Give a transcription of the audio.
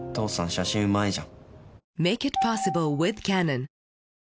写真うまいじゃん。